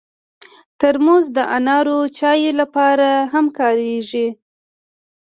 ترموز د انارو چایو لپاره هم کارېږي.